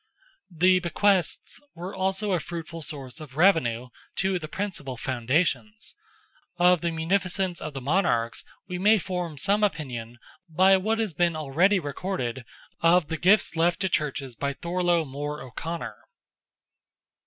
The bequests were also a fruitful source of revenue to the principal foundations; of the munificence of the monarchs we may form some opinion by what has been already recorded of the gifts left to churches by Thorlogh More O'Conor.